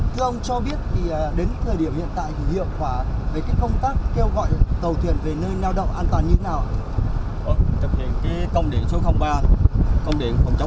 thưa ông cho biết đến thời điểm hiện tại thì hiệu quả về công tác kêu gọi tàu thuyền về nơi neo đậu an toàn như thế nào